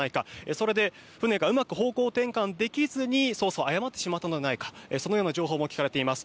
それで船がうまく方向転換できずに操作を誤ったのではないかそのような情報も聞かれています。